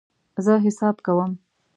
زه حساب کوم